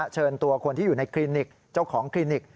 เชิญตัวคนที่อยู่ในคลินิกเจ้าของคลินิก